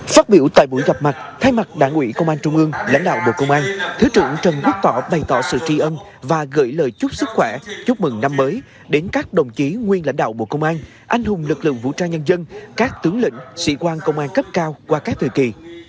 phát biểu tại buổi gặp mặt thay mặt đảng ủy công an trung ương lãnh đạo bộ công an thứ trưởng trần quốc tỏ bày tỏ sự tri ân và gửi lời chúc sức khỏe chúc mừng năm mới đến các đồng chí nguyên lãnh đạo bộ công an anh hùng lực lượng vũ trang nhân dân các tướng lĩnh sĩ quan công an cấp cao qua các thời kỳ